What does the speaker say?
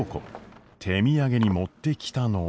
手土産に持ってきたのは。